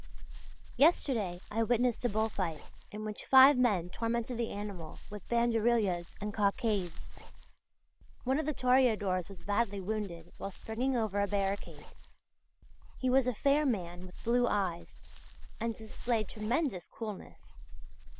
Yesterday I witnessed a bull fight in which five men tormented the animal with banderillas and cockades. One of the toreadors was badly wounded while springing over a barricade. He was a fair man with blue eyes and displayed tremendous coolness.